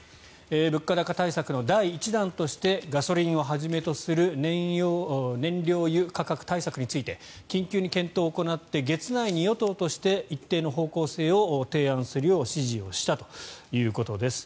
物価高対策の第１弾としてガソリンをはじめとする燃料油価格対策について緊急に検討を行って月内に与党として一定の方向性を提案するよう指示をしたということです。